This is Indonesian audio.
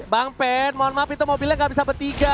bang pen mohon maaf itu mobilnya gak bisa bertiga